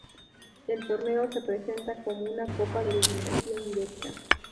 El torneo se presenta como una copa de eliminación directa.